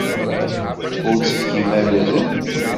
Ur d-tefkim ara udem.